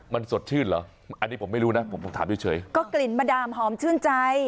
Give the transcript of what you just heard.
มันสดชื่นเหรออันนี้ผมไม่รู้นะผมถามเฉยก็กลิ่นมะดามหอมชื่นใจ